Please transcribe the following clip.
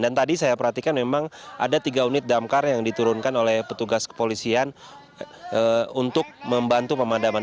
dan tadi saya perhatikan memang ada tiga unit damkar yang diturunkan oleh petugas kepolisian untuk membantu pemadaman